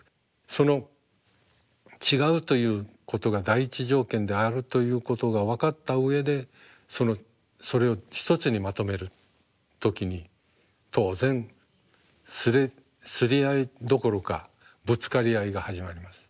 その違うということが第１条件であるということが分かった上でそれを一つにまとめる時に当然すり合いどころかぶつかり合いが始まります。